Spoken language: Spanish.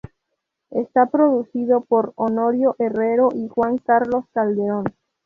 Está producido por Honorio Herrero y Juan Carlos Calderón.